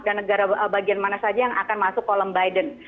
dan negara bagian mana saja yang akan masuk kolom biden